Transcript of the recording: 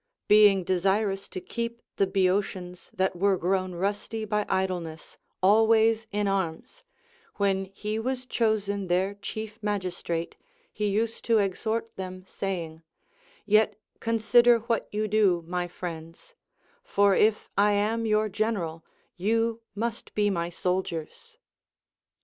Being de sirous to keep the Boeotians, that were groAvn rusty by idleness, always in arms, when he Avas chosen their chief magistrate, he used to exhort them, saying : Yet consider what you do, my friends ; for if I am your general, you must be my soldiers.